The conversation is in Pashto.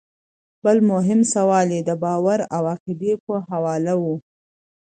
بل مهم سوال ئې د باور او عقيدې پۀ حواله وۀ